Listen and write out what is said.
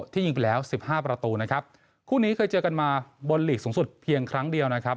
ยิงไปแล้วสิบห้าประตูนะครับคู่นี้เคยเจอกันมาบนหลีกสูงสุดเพียงครั้งเดียวนะครับ